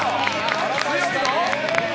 強いぞ！